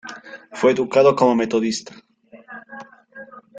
Fue educado como metodista.